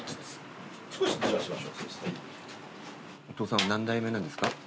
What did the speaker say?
お父さんは何代目なんですか？